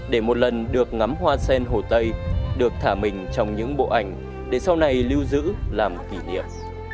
để một lần được ngắm hoa sen hồ tây được thả mình trong những bộ ảnh để sau này lưu giữ làm kỷ niệm